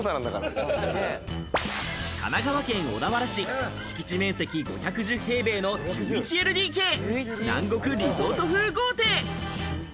神奈川県小田原市、敷地面積５１０平米の１１ＬＤＫ、南国リゾート風豪邸。